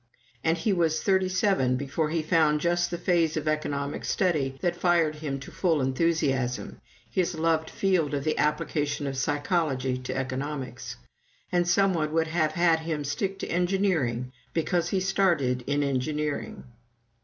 And he was thirty seven before he found just the phase of economic study that fired him to his full enthusiasm his loved field of the application of psychology to economics. And some one would have had him stick to engineering because he started in engineering!